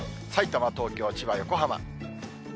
さいたま、東京、千葉、横浜。